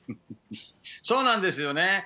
そうなんですよね。